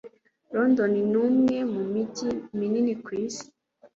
London ni umwe mu mijyi minini ku isi.